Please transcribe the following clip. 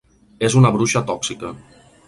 És una bruixa tòxica.